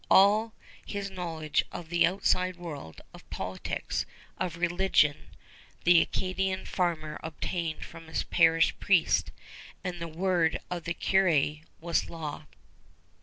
All his knowledge of the outside world, of politics, of religion, the Acadian farmer obtained from his parish priest; and the word of the curé was law.